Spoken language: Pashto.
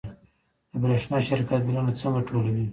د برښنا شرکت بیلونه څنګه ټولوي؟